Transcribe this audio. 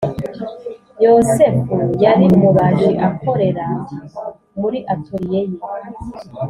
yosefu yari umubaji akorera muri atoriye ye